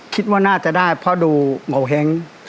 คิดว่าน่าจะได้เพราะดูเหม่าเหี้ยง